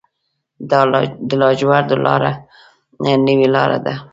د لاجوردو لاره نوې لاره ده